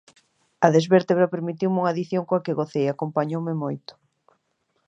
"A desvértebra" permitiume unha dicción coa que gocei, acompañoume moito.